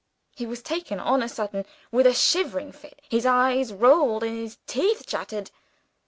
He was taken on a sudden with a shivering fit; his eyes rolled, and his teeth chattered.